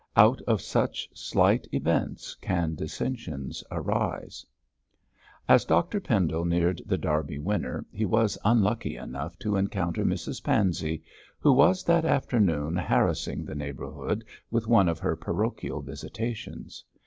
Out of such slight events can dissensions arise. As Dr Pendle neared The Derby Winner he was unlucky enough to encounter Mrs Pansey, who was that afternoon harassing the neighbourhood with one of her parochial visitations.